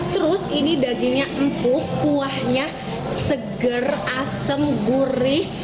terus ini dagingnya empuk kuahnya seger asem gurih